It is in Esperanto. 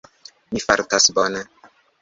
Mi fartas bone